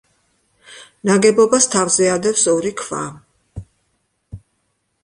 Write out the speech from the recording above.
ნაგებობას თავზე ადევს ორი ქვა.